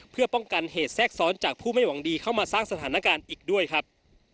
เพื่อป้องกันเหตุแทรกซ้อนจากผู้ไม่หวังดีเข้ามาสร้างสถานการณ์อีกด้วยครับ